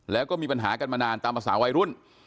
แล้วก็มีปัญหากันมานานตามภาษาวัยรุ่น